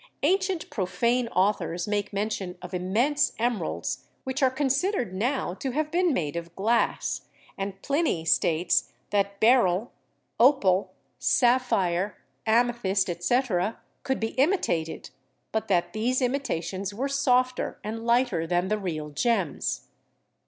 An cient profane authors make mention of immense emeralds which are considered now to have been made of glass, and Pliny states that beryl, opal, sapphire, amethyst, etc., could be imitated, but that these imitations were softer and lighter than the real gems.